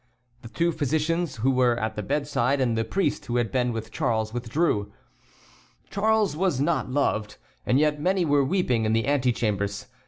The two physicians who were at the bedside and the priest who had been with Charles withdrew. Charles was not loved, and yet many were weeping in the antechambers.